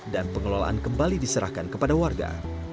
dan pengelolaan kembali diserahkan kepada warga